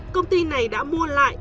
công ty này đã mua lại